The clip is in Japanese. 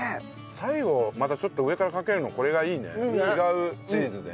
最後またちょっと上からかけるのこれがいいね違うチーズでね。